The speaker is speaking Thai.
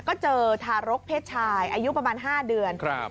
ก็เจอทารกเพศชายอายุประมาณ๕เดือน